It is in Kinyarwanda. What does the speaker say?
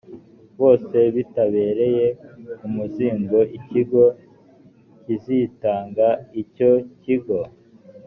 bose bitabereye umuzigo ikigo kizitanga icyo kigo